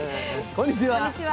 こんにちは。